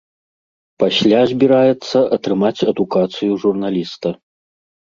Пасля збіраецца атрымаць адукацыю журналіста.